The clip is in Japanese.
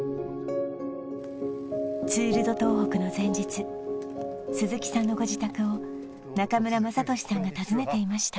ツール・ド・東北の前日鈴木さんのご自宅を中村雅俊さんが訪ねていました